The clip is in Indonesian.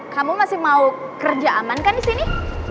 kamu masih mau kerja aman kan di sini